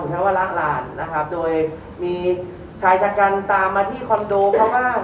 ทั้งวันละหลานนะครับโดยมีชายชะกันตามมาที่คอนโดเขาบ้าง